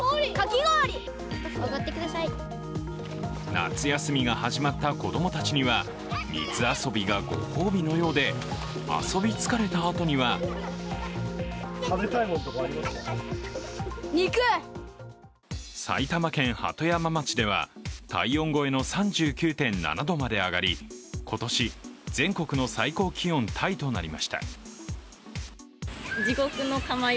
夏休みが始まった子供たちには水遊びがご褒美のようで、遊び疲れたあとには埼玉県鳩山町では体温超えの３９．７度まで上がり今年全国最高気温タイとなりました。